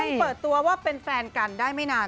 เปิดตัวว่าเป็นแฟนกันได้ไม่นาน